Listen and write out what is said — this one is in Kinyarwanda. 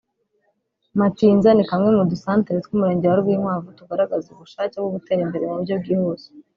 Matinza ni kamwe mu dusantere tw’umurenge wa Rwinkwavu tugaragaza ubushake bwo gutera imbere mu buryo bwihuse